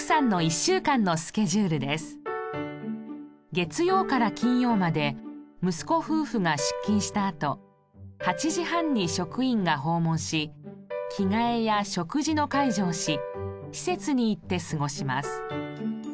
月曜から金曜まで息子夫婦が出勤したあと８時半に職員が訪問し着替えや食事の介助をし施設に行って過ごします。